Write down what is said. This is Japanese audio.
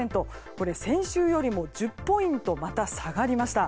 これ、先週よりも１０ポイントまた下がりました。